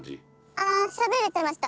ああしゃべれてました。